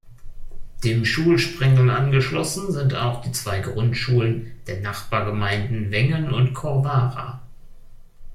Dem Schulsprengel angeschlossen sind auch die zwei Grundschulen der Nachbargemeinden Wengen und Corvara.